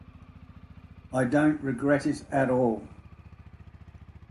I don’t regret it at all.